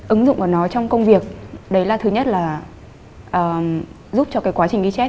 ứng dụng của nó trong công việc đấy là thứ nhất là giúp cho cái quá trình ghi chép